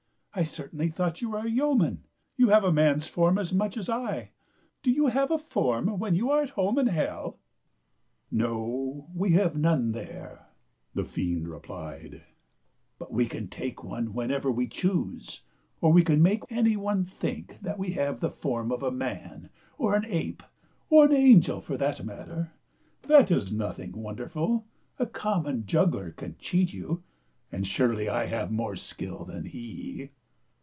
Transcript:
I cer tainly thought you were a yeoman. You have a man's form as much as I. Do you have a form when you are at home in hell ?"" No, we have none there," the fiend replied ;" but we can take one whenever we choose, or we can make any one think that we have the form of a man or an ti}t ^x\(kx'0 taU 131 ape, or an angel for that matter. That is nothing won derful. A common juggler can cheat you, and surely I have more skill than he."